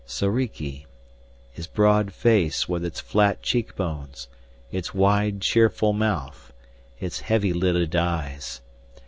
Soriki his broad face with its flat cheekbones, its wide cheerful mouth, its heavy lidded eyes.